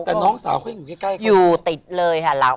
แต่น้องสาวเขายังอยู่ใกล้เขา